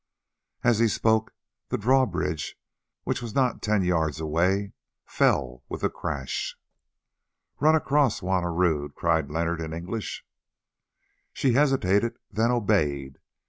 As he spoke the drawbridge, which was not ten yards away, fell with a crash. "Run across, Juanna Rodd," cried Leonard in English. She hesitated, then obeyed.